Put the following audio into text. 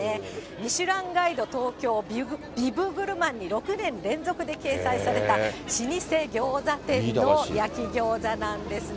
ミシュランガイド東京ビブグルマンに６年連続で掲載された、老舗餃子店の焼き餃子なんですね。